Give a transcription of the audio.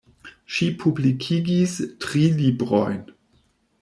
Ŝi publikigis tri librojn.